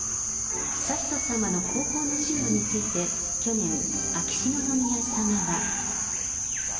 悠仁さまの高校の進路について去年、秋篠宮さまは。